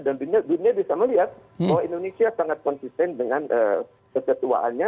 dan dunia bisa melihat bahwa indonesia sangat konsisten dengan kesetuaannya